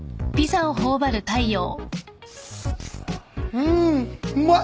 うんうまい！